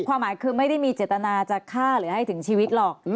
ความหมายคือไม่ได้มีเจตนาจะฆ่าหรือให้ถึงชีวิตหรอก